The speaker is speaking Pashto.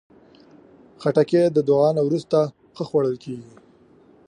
خټکی د دعا نه وروسته ښه خوړل کېږي.